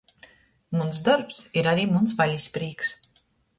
Muns dorbs ir ari muns valis prīks.